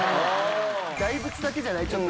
大仏だけじゃない？